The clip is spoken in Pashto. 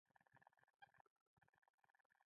بوتل د خوړو صنعت کې اهمیت لري.